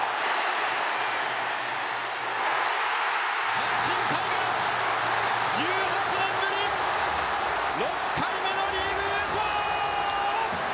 阪神タイガース１８年ぶり６回目のリーグ優勝！